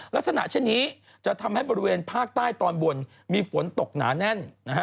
ลักษณะเช่นนี้จะทำให้บริเวณภาคใต้ตอนบนมีฝนตกหนาแน่นนะฮะ